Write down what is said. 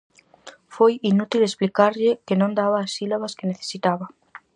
Foi inútil explicarlle que non daba as sílabas que necesitaba.